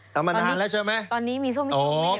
ทำมานานแล้วใช่ไหมตอนนี้มีโซเชียลมีเดีย